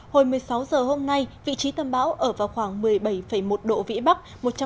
hồi một mươi sáu giờ hôm nay vị trí tâm bão ở vào khoảng một mươi bảy một độ vĩ bắc